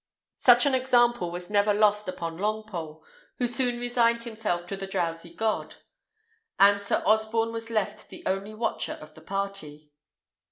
Such an example was never lost upon Longpole, who soon resigned himself to the drowsy god; and Sir Osborne was left the only watcher of the party.